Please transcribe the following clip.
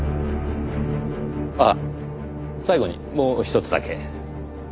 ああ最後にもうひとつだけ。